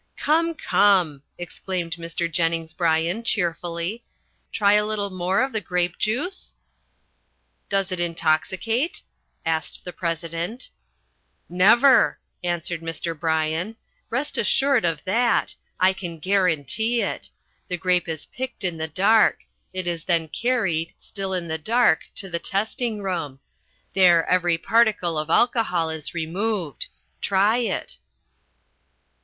"Come, come," exclaimed Mr. Jennings Bryan cheerfully, "try a little more of the grape juice?" "Does it intoxicate?" asked the President. "Never," answered Mr. Bryan. "Rest assured of that. I can guarantee it. The grape is picked in the dark. It is then carried, still in the dark, to the testing room. There every particle of alcohol is removed. Try it."